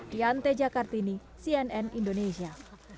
dianti jakartini cnn indonesia